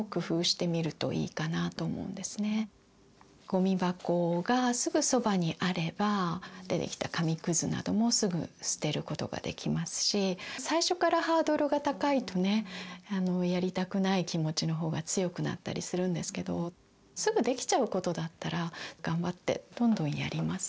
ゴミ箱がすぐそばにあれば出てきた紙くずなどもすぐ捨てることができますし最初からハードルが高いとねやりたくない気持ちの方が強くなったりするんですけどすぐできちゃうことだったら頑張ってどんどんやりますよね